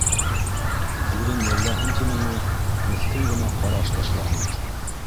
Үҙен йәлләһен тинеме, меҫкен генә ҡараш ташланы.